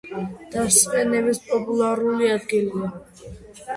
დასვენების პოპულარული ადგილია.